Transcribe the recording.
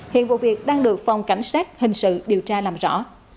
hiện vụ việc đang được phòng cảnh sát hình sự điều tra làm rõ